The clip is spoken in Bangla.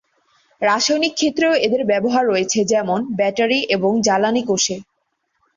রাসায়নিক ক্ষেত্রেও এদের ব্যবহার রয়েছে, যেমন- ব্যাটারি এবং জ্বালানি কোষে।